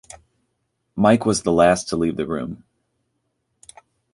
Mike was the last to leave the room.